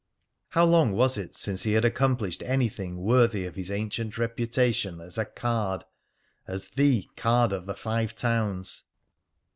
How long was it since he had accomplished anything worthy of his ancient reputation as a "card," as "the" card of the Five Towns?